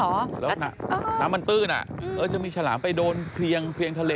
แล้วน้ำมันตื้นจะมีฉลามไปโดนเพลียงทะเล